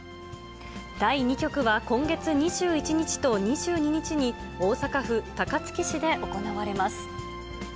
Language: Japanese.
第２局は今月２１日と２２日に、大阪府高槻市で行われます。